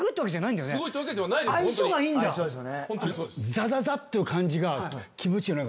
ザザザっていう感じが気持ちいい。